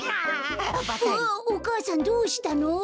ああっお母さんどうしたの？